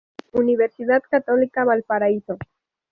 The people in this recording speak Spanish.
Universidad Católica Valparaíso